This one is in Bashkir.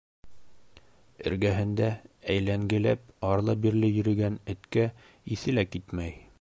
Эргәһендә әйләнгеләп, арлы-бирле йөрөгән эткә иҫе лә китмәй.